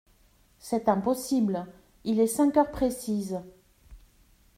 C’est impossible ; il est cinq heures précises.